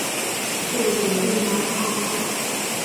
就决定买套票